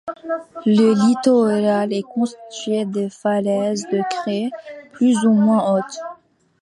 Le littoral est constitué de falaises de craie plus ou moins hautes.